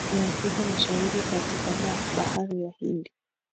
ya afrika mashariki katika ba bahari ya hindi